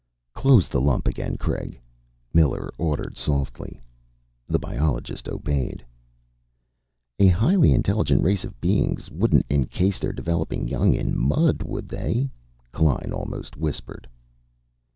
"Close the lump again, Craig," Miller ordered softly. The biologist obeyed. "A highly intelligent race of beings wouldn't encase their developing young in mud, would they?" Klein almost whispered.